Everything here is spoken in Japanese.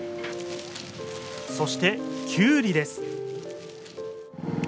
そして、きゅうりです。